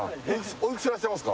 おいくつでいらっしゃいますか？